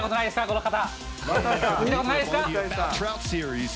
この方。